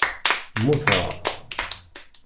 Mmuteɣ.